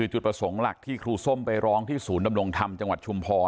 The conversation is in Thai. จุดประสงค์หลักที่ครูส้มไปร้องที่ศูนย์ดำรงธรรมจังหวัดชุมพร